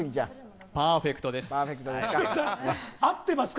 パーフェクトです。